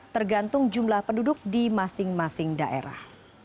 tergantung jumlah penduduk di masing masing daerah